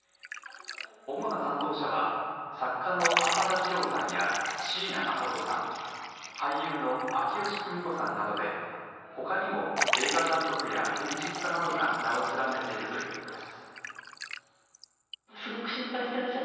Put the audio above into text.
主な賛同者は作家の浅田次郎さんや椎名誠さん、俳優の秋吉久美子さんなどでほかにも映画監督や建築家などが名を連ねているということです。